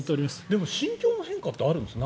でも心境の変化ってあるんですか？